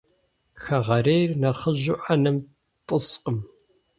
Хэгъэрейр нэхъыжьу ӏэнэм тӏыскъым.